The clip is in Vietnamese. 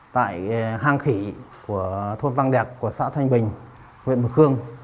tại hang khỉ của thôn văn đẹp của xã thanh bình huyện mộc khương